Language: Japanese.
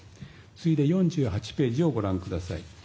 次いで４８ページをご覧ください。